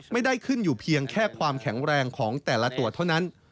ไม่ได้ขึ้นอยู่เพียงแค่ความแข็งแรงของแต่ละตัวเท่านั้น